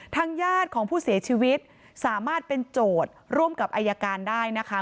ทางญาติของผู้เสียชีวิตสามารถเป็นโจทย์ร่วมกับอายการได้นะคะ